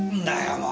もう。